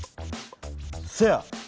せや！